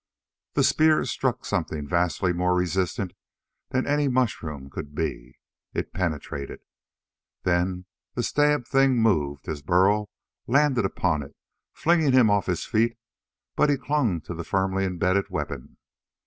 The spear struck something vastly more resistant than any mushroom could be. It penetrated. Then the stabbed thing moved as Burl landed upon it, flinging him off his feet, but he clung to the firmly imbedded weapon.